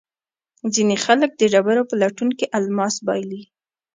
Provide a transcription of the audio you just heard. ځینې خلک د ډبرو په لټون کې الماس بایلي.